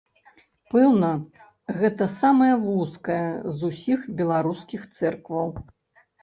Пэўна, гэта самая вузкая з усіх беларускіх цэркваў.